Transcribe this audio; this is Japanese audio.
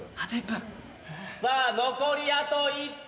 さあ残りあと１分。